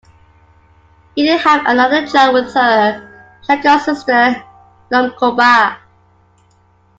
He did have another child with her, Shaka's sister Nomcoba.